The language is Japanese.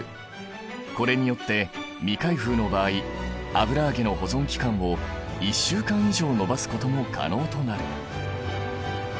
これによって未開封の場合油揚げの保存期間を１週間以上延ばすことも可能となる。